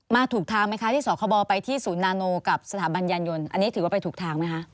ถูกทางไหมคะที่สคบไปที่ศูนย์นาโนกับสถาบันยานยนต์อันนี้ถือว่าไปถูกทางไหมคะ